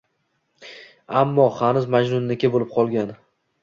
Ammo hanuz Majnunniki boʻlib qolgan